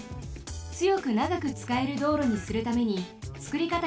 つよくながくつかえる道路にするためにつくりかたにくふうがあります。